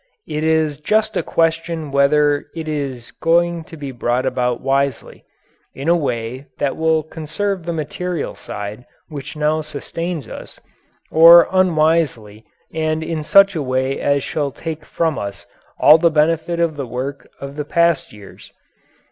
It is just a question whether it is going to be brought about wisely in a way that will conserve the material side which now sustains us, or unwisely and in such a way as shall take from us all the benefit of the work of the past years.